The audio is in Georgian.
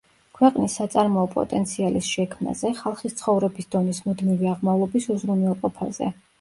ქვეყნის საწარმოო პოტენციალის შექმნაზე, ხალხის ცხოვრების დონის მუდმივი აღმავლობის უზრუნველყოფაზე.